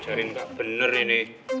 ajarin gak bener ini